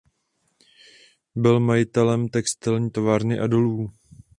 Byl majitelem textilní továrny a dolů.